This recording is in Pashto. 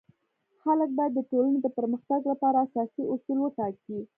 خلک باید د ټولنی د پرمختګ لپاره اساسي اصول وټاکي.